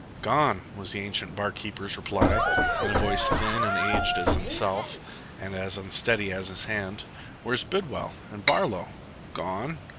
"Gone," was the ancient bar keeper's reply, in a voice thin and aged as himself, and as unsteady as his hand. "Where's Bidwell and Barlow?" "Gone."